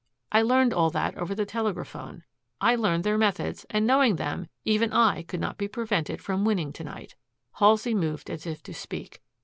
I learned all that over the telegraphone. I learned their methods and, knowing them, even I could not be prevented from winning to night." Halsey moved as if to speak.